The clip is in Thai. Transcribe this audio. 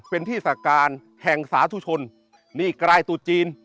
เป็นที่สาการแห่งสาธุชนนี่กลายตุจีน